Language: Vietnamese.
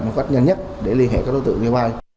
một cách nhanh nhất để liên hệ với đối tượng người vay